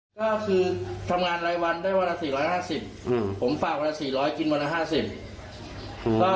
ก็คือทำงานรายวันได้วันละ๔๕๐ผมฝากวันละ๔๐๐กินวันละ๕๐